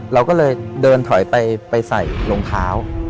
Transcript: เราก็เลยเดินถอยไปใส่รองเท้า